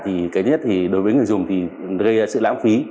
thì cái nhất thì đối với người dùng thì gây sự lãng phí